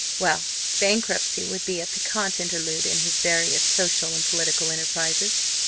Well! bankruptcy would be a piquant interlude in his various social and political enterprises!